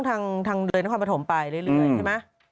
ก็ต้องทำเลยทันความประถมไปเรื่อยใช่มั้ย